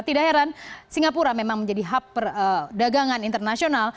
tidak heran singapura memang menjadi hub perdagangan internasional